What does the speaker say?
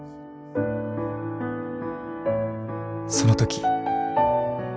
「その時」